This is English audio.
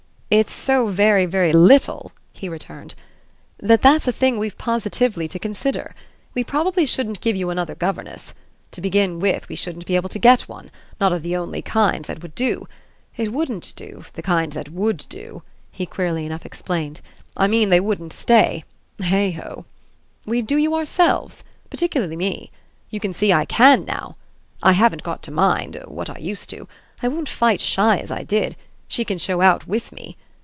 "It's so very very little," he returned, "that that's a thing we've positively to consider. We probably shouldn't give you another governess. To begin with we shouldn't be able to get one not of the only kind that would do. It wouldn't do the kind that WOULD do," he queerly enough explained. "I mean they wouldn't stay heigh ho! We'd do you ourselves. Particularly me. You see I CAN now; I haven't got to mind what I used to. I won't fight shy as I did she can show out WITH me.